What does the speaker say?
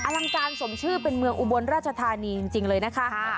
ลังการสมชื่อเป็นเมืองอุบลราชธานีจริงเลยนะคะ